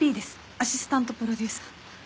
アシスタントプロデューサー。